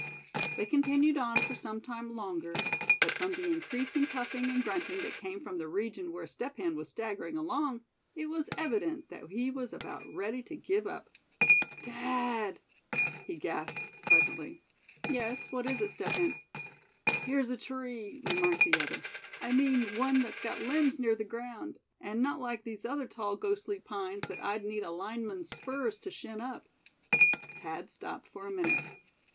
They continued on for some time longer; but from the increasing puffing and grunting that came from the region where Step Hen was staggering along, it was evident that he was about ready to give up. "Thad!" he gasped, presently. "Yes, what is it, Step Hen?" "Here's a tree," remarked the other; "I mean one that's got limbs near the ground, and not like these other tall ghostly pines that I'd need a lineman's spurs to shin up." Thad stopped for a minute.